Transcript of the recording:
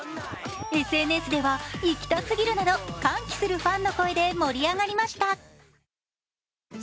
ＳＮＳでは行きたすぎるなど歓喜するファンの声で盛り上がりました。